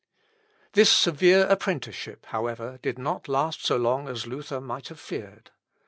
This severe apprenticeship, however, did not last so long as Luther might have feared.